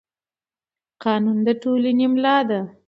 قانون د ټولنې ملا ده